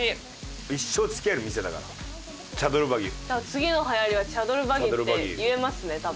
次の流行りはチャドルバギって言えますね。